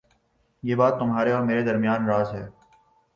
یہ بات تمہارے اور میرے درمیان راز ہے